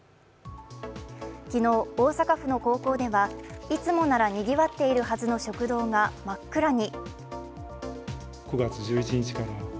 昨日、大阪府の高校ではいつもなら賑わっているはずの食堂が真っ暗に。